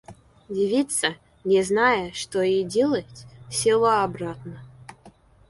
Девица, не зная, что ей делать, села обратно.